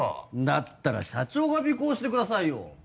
だったら社長が尾行してくださいよ。